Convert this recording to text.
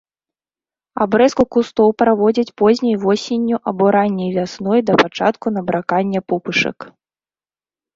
Абрэзку кустоў праводзяць позняй восенню або ранняй вясной да пачатку набракання пупышак.